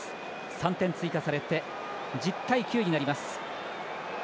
３点追加されて１０対９になります。